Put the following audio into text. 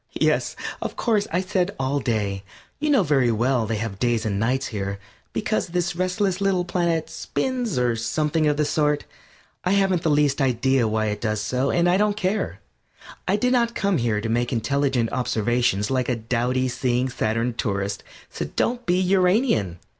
Yes, of course, I said "all day." You know very well they have days and nights here, because this restless little planet spins, or something of the sort. I haven't the least idea why it does so, and I don't care. I did not come here to make intelligent observations like a dowdy "Seeing Saturn" tourist. So don't be Uranian.